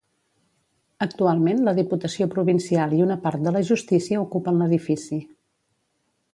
Actualment la diputació provincial i una part de la justícia ocupen l'edifici.